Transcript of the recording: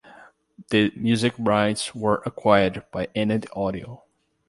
The music rights were acquired by Anand Audio.